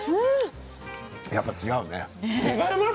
やっぱ違うね。